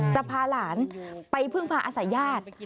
จะพาหลานไปพึ่งพาอาศัยญาติ